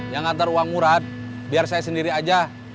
yang antar uang murad biar saya sendiri aja